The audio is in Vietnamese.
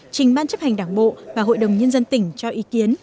trình ban chấp hành đảng bộ và hội đồng nhân dân tỉnh cho ý kiến